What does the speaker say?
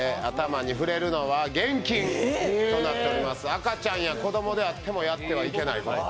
赤ちゃんや子供であっても、やってはいけないと。